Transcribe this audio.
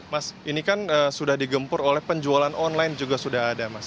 mas ini kan sudah digempur oleh penjualan online juga sudah ada mas